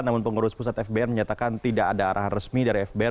namun pengurus pusat fbn menyatakan tidak ada arahan resmi dari fbn